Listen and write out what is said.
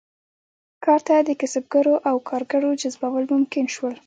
کار ته د کسبګرو او کارګرو جذبول ممکن شول.